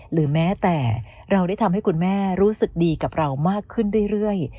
หรือแม้แต่เราได้ทำให้คุณแม่รู้สึกดีกับเรามากขึ้นเรื่อย